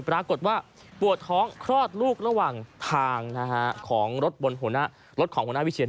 ปรากฏว่าปวดท้องคลอดลูกระหว่างทางของรถของหัวหน้าวิเชียน